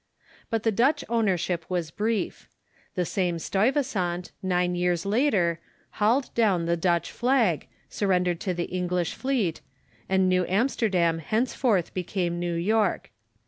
But the Dutch ownership was brief. The same Stuyvesant, nine years later, hauled down the Dutch flag, surrendered to the English fleet, and New Amsterdam henceforth became New York.